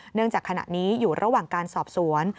จากขณะนี้อยู่ระหว่างการสอบสวน